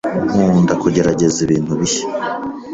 Nkunda kugerageza ibintu bishya,